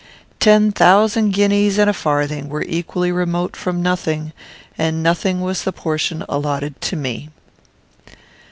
Ten thousand guineas and a farthing were equally remote from nothing, and nothing was the portion allotted to me.